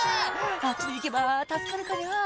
「あっちに行けば助かるかニャ」